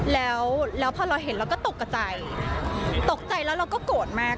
แล้วพอเราเห็นเราก็ตกกับใจตกใจแล้วเราก็โกรธมาก